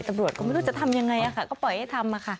ตำรวจก็ไม่รู้จะทำยังไงอะค่ะก็ปล่อยให้ทำอะค่ะ